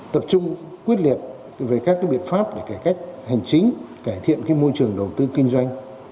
tập trung quyết liệt về các biện pháp để cải cách hành chính cải thiện môi trường đầu tư kinh doanh